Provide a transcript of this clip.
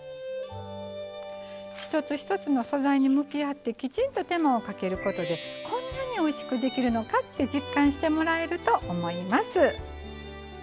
一つ一つの素材に向き合ってきちんと手間をかけることでこんなにおいしくできるのかって実感してもらえると思います。